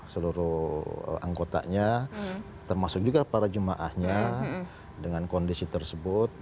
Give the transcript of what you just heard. seluruh anggotanya termasuk juga para jemaahnya dengan kondisi tersebut